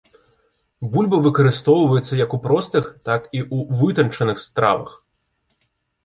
Бульба выкарыстоўваецца як у простых, так і ў вытанчаных стравах.